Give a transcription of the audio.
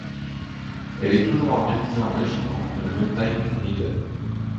Elle est toujours organisée en régiments, de la même taille qu'une brigade.